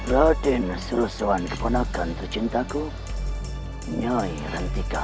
raden serosawan keponakan tercintaku nyai rantikau